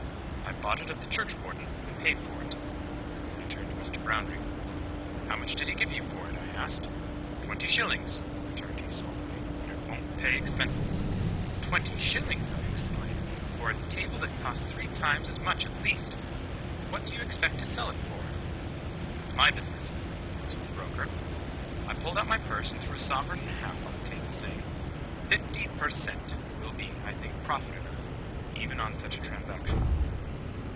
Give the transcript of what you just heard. "I've bought it of the churchwarden, and paid for it." I turned to Mr Brownrigg. "How much did he give you for it?" I asked. "Twenty shillings," returned he, sulkily, "and it won't pay expenses." "Twenty shillings!" I exclaimed; "for a table that cost three times as much at least!—What do you expect to sell it for?" "That's my business," answered the broker. I pulled out my purse, and threw a sovereign and a half on the table, saying— "FIFTY PER CENT. will be, I think, profit enough even on such a transaction."